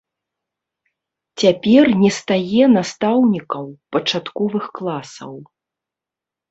Цяпер не стае настаўнікаў пачатковых класаў.